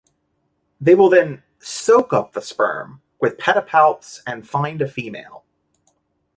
They will then "soak" up the sperm with its pedipalps and find a female.